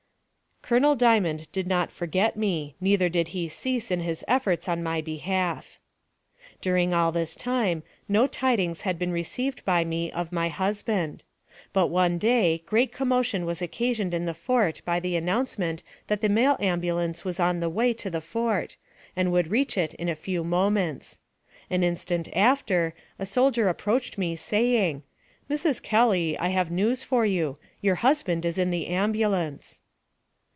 Colonel Diamond did not forget me, neither did he cease in his efforts in my behalf. During all this time no tidings had been received by me of my husband. But one day, great commotion was occasioned in the fort by the announcement that the mail ambulance was on the way to the fort, and would reach it in a few moments. An instant after, a soldier approached me, saying: "Mrs. Kelly, I have news for you. Your husband is in the ambulance."